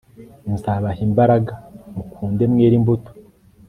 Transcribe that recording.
nzabaha imbaraga mukunde mwere imbuto